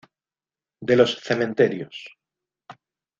De los cementerios.